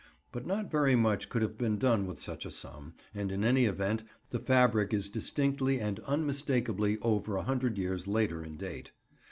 But not very much could have been done with such a sum, and in any event, the fabric is distinctly and unmistakably over a hundred years later in date.